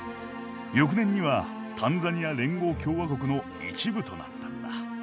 翌年にはタンザニア連合共和国の一部となったんだ。